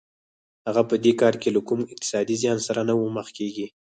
هغه په دې کار کې له کوم اقتصادي زیان سره نه مخ کېږي